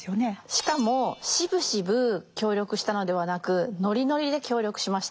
しかもしぶしぶ協力したのではなくノリノリで協力しました。